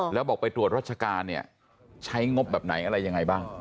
แล้วบอกไปตรวจรัชการเนี่ยใช้งบแบบไหนอะไรยังไงบ้าง